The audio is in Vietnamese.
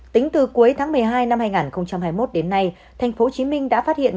tính từ cuối tháng một mươi hai năm hai nghìn hai mươi một đến nay thành phố hồ chí minh đã phát hiện